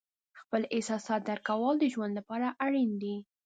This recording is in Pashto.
خپل احساسات درک کول د ژوند لپاره اړین دي.